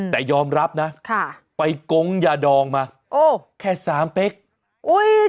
แต่ยอมรับนะไปกงยาดองมาแค่สามเป็กโอ้ย